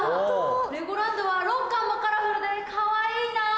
レゴランドはロッカーもカラフルでかわいいなぁ！